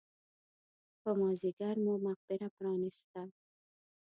په مازیګر مو مقبره پرانېسته.